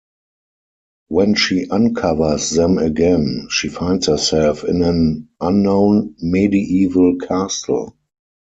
When she uncovers them again, she finds herself in an unknown medieval castle.